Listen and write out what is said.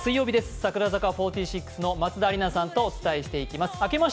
櫻坂４６の松田里奈さんとお伝えします。